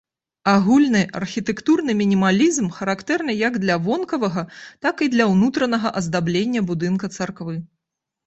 Агульны архітэктурны мінімалізм характэрны як для вонкавага, так і для ўнутранага аздаблення будынка царквы.